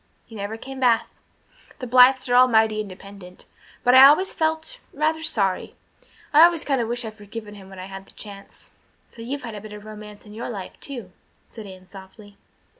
He never came back the Blythes were all mighty independent. But I always felt rather sorry. I've always kind of wished I'd forgiven him when I had the chance." "So you've had a bit of romance in your life, too," said Anne softly.